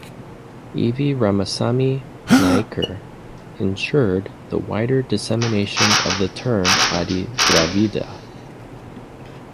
E. V. Ramasami Naicker ensured the wider dissemination of the term "Adi Dravida".